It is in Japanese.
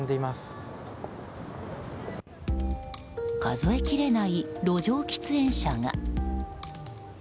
数えきれない路上喫煙者が。